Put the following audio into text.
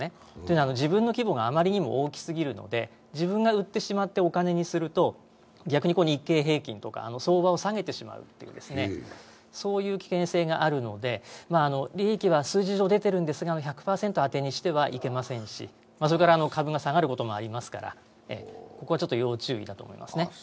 自分の規模が余りにも大きすぎるので、自分が売ってしまってお金にすると、逆に日経平均とか相場を下げてしまう、そういう危険性があるので、利益は数字上出ているんですが、１００％当てにしてはいけませんし、それから株が下がることもありますから、ここは要注意だと思いますね。